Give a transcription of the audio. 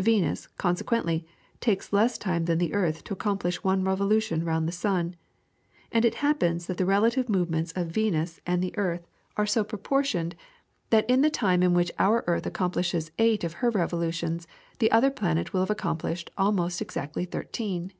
Venus, consequently, takes less time than the earth to accomplish one revolution round the sun, and it happens that the relative movements of Venus and the earth are so proportioned that in the time in which our earth accomplishes eight of her revolutions the other planet will have accomplished almost exactly thirteen.